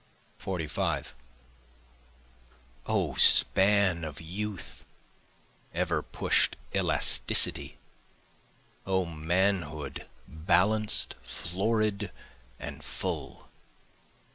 45 O span of youth! ever push'd elasticity! O manhood, balanced, florid and full.